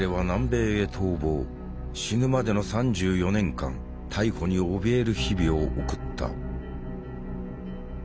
死ぬまでの３４年間逮捕におびえる日々を送った。